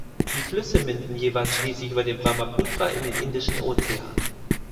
Die Flüsse münden jeweils schließlich über den Brahmaputra in den Indischen Ozean.